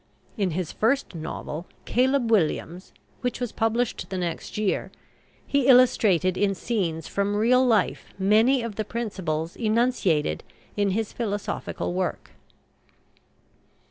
In his first novel, "Caleb Williams," which was published the next year, he illustrated in scenes from real life many of the principles enunciated in his philosophical work.